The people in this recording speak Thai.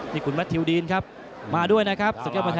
นี่คุณแม่ทิวดีนครับมาด้วยนะครับสังเกตมวยไทยรัฐ